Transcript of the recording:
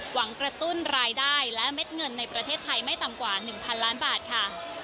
กระตุ้นรายได้และเม็ดเงินในประเทศไทยไม่ต่ำกว่า๑๐๐ล้านบาทค่ะ